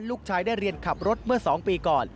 ลูกชายได้เรียนขับรถเมื่อ๒ปีก่อน